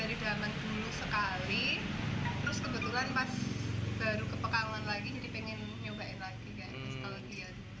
ini udah dari zaman dulu sekali terus kebetulan pas baru kepekangan lagi jadi pengen nyobain lagi